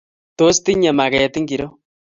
Tos tinyei maget ingiro?